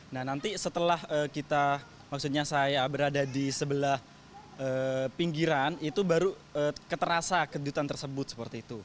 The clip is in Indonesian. nah nanti setelah kita maksudnya saya berada di sebelah pinggiran itu baru keterasa kejutan tersebut seperti itu